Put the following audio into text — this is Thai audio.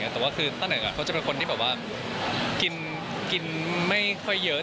แต่ว่าคือตะเหิงเขาก็จะเป็นคนที่กินไม่ค่อยเยอะ